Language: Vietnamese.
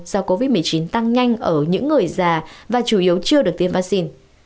do covid một mươi chín tăng nhanh ở những người già và chủ yếu chưa được tiêm vaccine